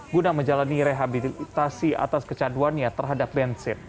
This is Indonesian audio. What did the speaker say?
guna menjalani rehabilitasi atas kecaduannya terhadap bensin